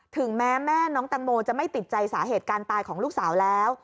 ถึงแม้แม่น้องตังโมจะไม่ติดใจสาเหตุการตายของลูกสาวแล้ว